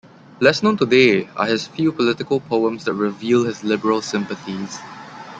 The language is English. Less known today are his few political poems that reveal his liberal sympathies.